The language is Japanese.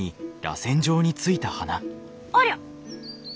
ありゃ！